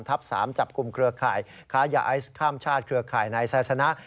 ๓จับกลุ่มเครือข่ายค้ายาไอซ์ข้ามชาติเครือข่ายนายไซสนะ